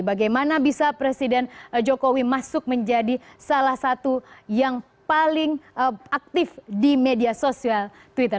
bagaimana bisa presiden jokowi masuk menjadi salah satu yang paling aktif di media sosial twitter